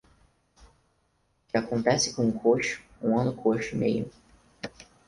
O que acontece com um coxo, um ano coxo e meio.